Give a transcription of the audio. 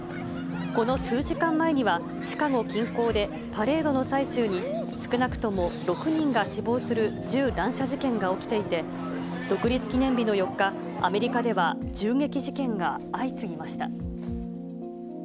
この数時間前には、シカゴ近郊でパレードの最中に、少なくとも６人が死亡する銃乱射事件が起きていて、独立記念日の４日、アメリカでは、銃撃事件が相次ぎました。